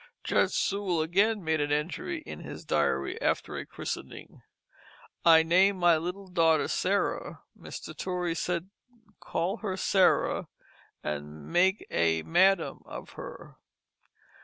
Judge Sewall again made an entry in his diary after a christening. "I named my little Daughter Sarah. Mr. Torrey said call her Sarah and make a Madam of her.